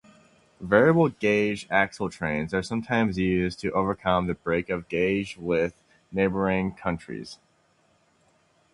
Variable-gauge-axle trains are sometimes used to overcome the break of gauge with neighboring countries.